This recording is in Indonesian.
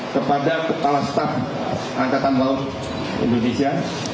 kepada kepala staf angkatan laut indonesia